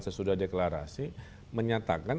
sesudah deklarasi menyatakan